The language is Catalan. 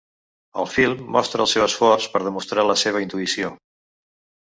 El film mostra el seu esforç per demostrar la seva intuïció.